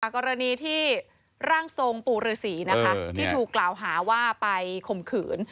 กรณีที่ร่างทรงปู่ฤษีนะคะที่ถูกกล่าวหาว่าไปข่มขืน